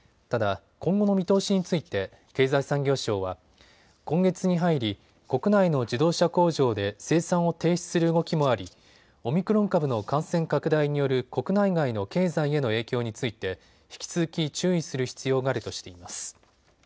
ただ、今後の見通しについて経済産業省は今月に入り、国内の自動車工場で生産を停止する動きもありオミクロン株の感染拡大による国内外の経済への影響について引き続き注意する必要があるとしています。